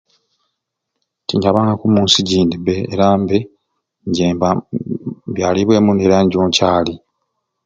Tinyabangaku munsi jindi bee era mbe nje mba mm mbyalibwe muni era nijo nkyali.